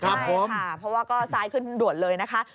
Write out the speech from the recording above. ใช่ค่ะเพราะว่าก็ซ้ายขึ้นด่วนเลยนะคะ